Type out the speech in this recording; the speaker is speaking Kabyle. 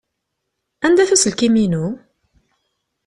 Anda-t uselkim-inu?